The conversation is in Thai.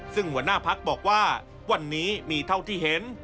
ซึ่งหัวหน้าพักบอกว่าวันนี้มีเท่าที่เห็น